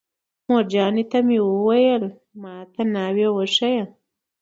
مورجانې ته مې ویل: ما ته ناوې وښایه.